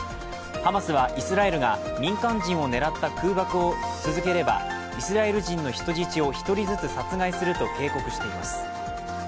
ハマスはイスラエルが民間人を狙った空爆を続ければイスラエル人の人質を１人ずつ殺害すると警告しています。